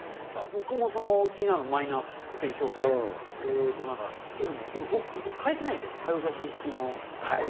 僕も気になるのはマイナ保険証で、というのも、替えてないんですよ、顔写真付きの。